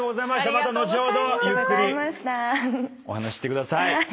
また後ほどゆっくりお話してください。